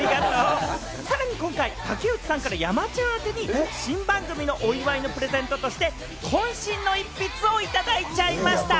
さらに今回、竹内さんから山ちゃん宛に新番組のお祝いとして渾身の一筆をいただいちゃいました！